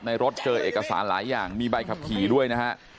รถเจอเอกสารหลายอย่างมีใบขับขี่ด้วยนะฮะ